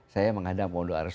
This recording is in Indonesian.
saya menghadap modul rs dua